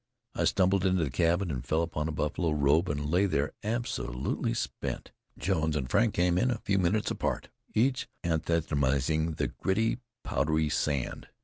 I stumbled into the cabin and fell upon a buffalo robe and lay there absolutely spent. Jones and Frank came in a few minutes apart, each anathematizing the gritty, powdery sand.